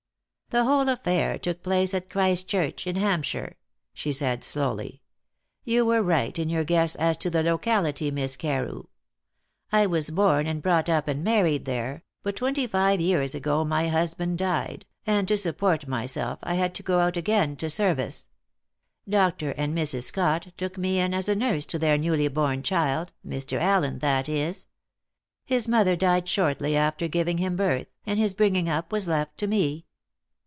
"The whole affair took place at Christchurch, in Hampshire," she said slowly; "you were right in your guess as to the locality, Miss Carew. I was born and brought up and married there, but twenty five years ago my husband died, and to support myself I had to go out again to service. Dr. and Mrs. Scott took me in as a nurse to their newly born child Mr. Allen, that is. His mother died shortly after giving him birth, and his bringing up was left to me.